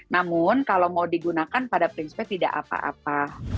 namun kalau mau digunakan pada prinsipnya tidak apa apa